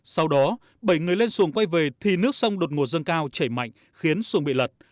sau đó bảy người lên xuồng quay về thì nước sông đột mùa dâng cao chảy mạnh khiến xuồng bị lật